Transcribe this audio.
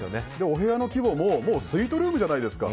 お部屋の規模もスイートルームじゃないですか。